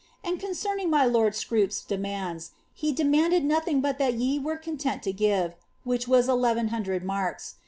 And concerning my lord Scroop's demands, he demandit nothing but that J9 were content to give, which was 1 100 marks.